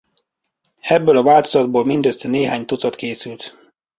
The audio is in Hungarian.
Ebből a változatból mindössze néhány tucat készült.